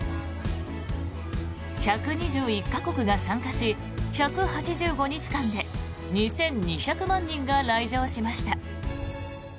１２１か国が参加し１８５日間で２２００万人が来場しました。